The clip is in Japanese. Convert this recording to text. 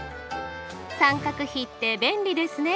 三角比って便利ですね！